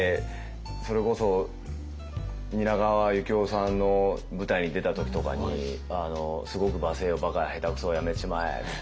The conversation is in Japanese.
それこそ蜷川幸雄さんの舞台に出た時とかにすごく罵声を「バカ下手くそやめちまえ」って。